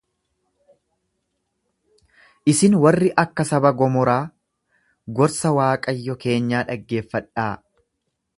Isin warri akka saba Gomoraa gorsa Waaqayyo keenyaa dhaggeeffadhaa!